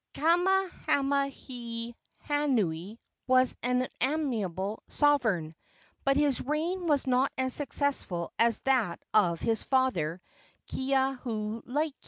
Kamehamehanui was an amiable sovereign, but his reign was not as successful as that of his father, Kekaulike.